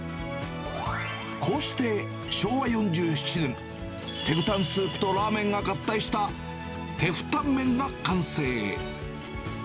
こうして昭和４７年、テグタンスープとラーメンが合体した、テフタンメンが完成。